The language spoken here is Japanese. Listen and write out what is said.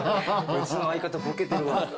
うちの相方ボケてるわ。